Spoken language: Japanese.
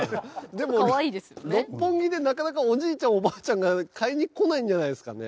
でも六本木でなかなかおじいちゃんおばあちゃんが買いに来ないんじゃないですかね。